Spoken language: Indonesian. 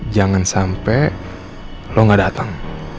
jangan sampai lo gak datang